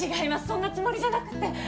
そんなつもりじゃなくって。